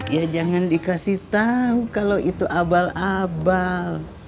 ya jangan dikasih tahu kalau itu abal abal